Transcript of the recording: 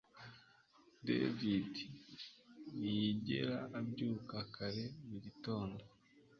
David ntiyigera abyuka kare mu gitondo